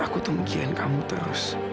aku tuh ujian kamu terus